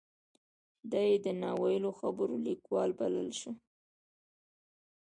دای د نا ویلو خبرو لیکوال بللی شو.